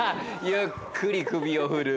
ゆっくり首を振る。